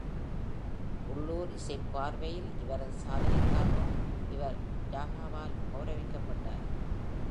உள்ளூர் இசைப் பார்வையில் இவரது சாதனைகளுக்காகம், இவர் யாஹூவால் கௌரவிக்கப்பட்டார்.